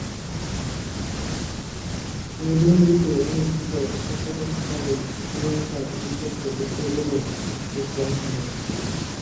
হেডিংলিতে অনুষ্ঠিত সফরকারী শ্রীলঙ্কার বিপক্ষে উদ্বোধনী টেস্টে অংশ নেন।